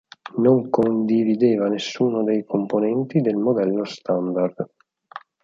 Non condivideva nessuno dei componenti del modello standard.